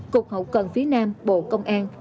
cục hậu cần phía nam bộ công an